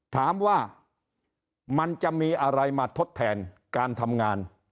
ถามว่ามันจะมีอะไรมาทดแทนการทำงาน